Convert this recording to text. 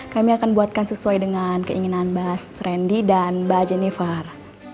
kami akan buatkan sesuai dengan keinginan mbak sandy dan mbak jennifer